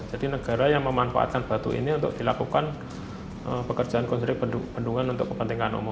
jadi negara yang memanfaatkan batu ini untuk dilakukan pekerjaan konserik bendungan